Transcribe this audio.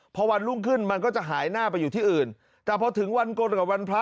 พอวันรุ่งขึ้นมันก็จะหายหน้าไปอยู่ที่อื่นแต่พอถึงวันกลกับวันพระ